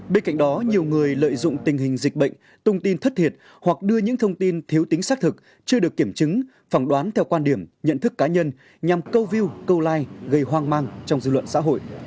bên cạnh đó nhiều người lợi dụng tình hình dịch bệnh tung tin thất thiệt hoặc đưa những thông tin thiếu tính xác thực chưa được kiểm chứng phỏng đoán theo quan điểm nhận thức cá nhân nhằm câu view câu like gây hoang mang trong dư luận xã hội